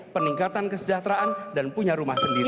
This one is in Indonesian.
peningkatan kesejahteraan dan punya rumah sendiri